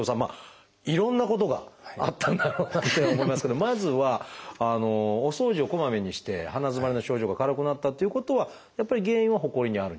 いろんなことがあったんだろうなって思いますけどまずはお掃除をこまめにして鼻づまりの症状が軽くなったっていうことはやっぱり原因はほこりにあるんじゃないかと。